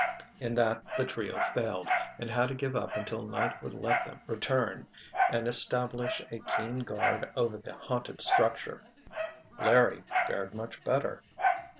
In that the trio failed, and had to give up until night would let them return and establish a keen guard over the haunted structure. Larry fared much better.